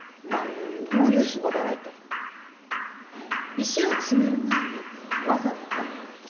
石を詰める前にわざわざ？